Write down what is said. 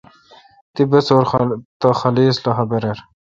تی بسور تہ خاصلخہ برر